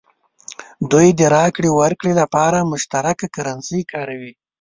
دوی د راکړې ورکړې لپاره مشترکه کرنسي کاروي.